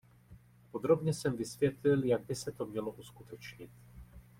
Podrobně jsem vysvětlil, jak by se to mělo uskutečnit.